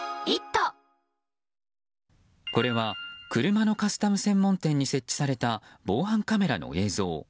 これは車のカスタム専門店に設置された防犯カメラの映像。